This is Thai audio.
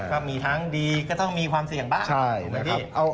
ก็มีทั้งดีก็ต้องมีความเสี่ยงบ้าง